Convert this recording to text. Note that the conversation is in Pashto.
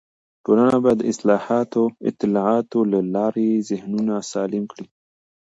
ټولنه باید د اطلاعاتو له لارې ذهنونه سالم کړي.